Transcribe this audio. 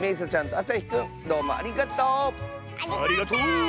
ありがとう！